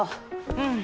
うん。